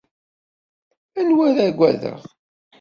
Anwa ara aggadeɣ?